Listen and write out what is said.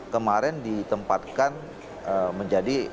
kemarin ditempatkan menjadi